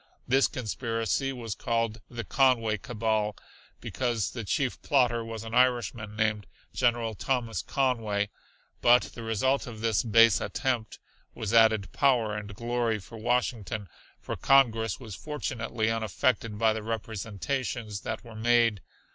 This conspiracy was called the Conway Cabal, because the chief plotter was an Irishman named General Thomas Conway. But the result of this base attempt was added power and glory for Washington, for Congress was fortunately unaffected by the representations that were made.